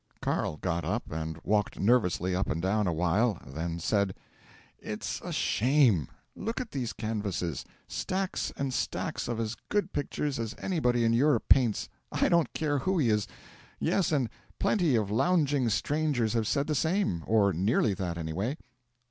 Carl got up, and walked nervously up and down a while, then said: '"It's a shame! Look at these canvases: stacks and stacks of as good pictures as anybody in Europe paints I don't care who he is. Yes, and plenty of lounging strangers have said the same or nearly that, anyway."